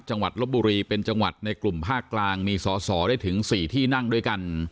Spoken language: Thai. ลบบุรีเป็นจังหวัดในกลุ่มภาคกลางมีสอสอได้ถึง๔ที่นั่งด้วยกัน